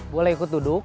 boleh ikut duduk